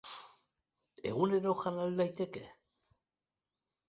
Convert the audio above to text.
Egunero jan al daiteke?